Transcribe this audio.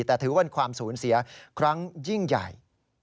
แต่ถือว่าเป็นความสูญเสียครั้งยิ่งใหญ่